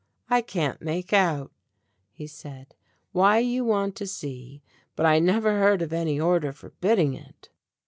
"I can't make out," he said, "why you want to see, but I never heard of any order forbidding it.